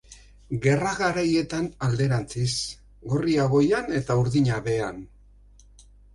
Gerra garaietan alderantziz: gorria goian eta urdina behean.